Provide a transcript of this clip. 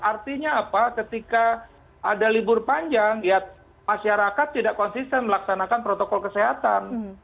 artinya apa ketika ada libur panjang ya masyarakat tidak konsisten melaksanakan protokol kesehatan